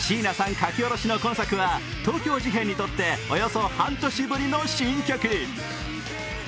書き下ろしの今作は東京事変にとっておよそ半年ぶりの新曲。